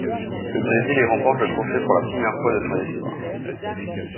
Le Brésil y remporte le trophée pour la première fois de son Histoire.